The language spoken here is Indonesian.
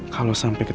kalau sampai ketemu